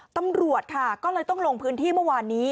ตำรวจค่ะก็เลยต้องลงพื้นที่เมื่อวานนี้